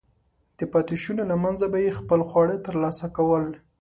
د پاتېشونو له منځه به یې خپل خواړه ترلاسه کول.